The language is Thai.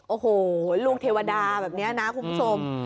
โอ้โหลูกเทวดาแบบนี้นะคุณผู้ชม